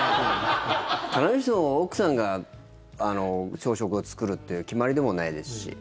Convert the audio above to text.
必ずしも奥さんが朝食を作るという決まりでもないですし。